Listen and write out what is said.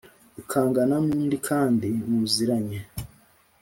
ukangana n’undi kandi muziranye